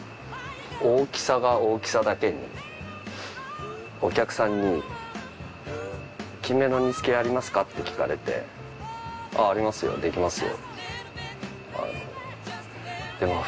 大きさが大きさだけにお客さんに「金目の煮付けありますか？」って聞かれてありますよできますよ。